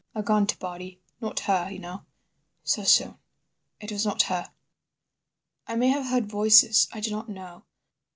A gaunt body. Not her, you know. So soon—it was not her .... "I may have heard voices. I do not know.